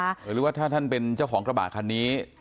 หรือว่าถ้าท่านเป็นเจ้าของกระบะคันนี้